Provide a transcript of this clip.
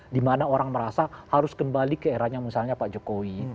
dimana orang merasa harus kembali ke eranya misalnya pak jokowi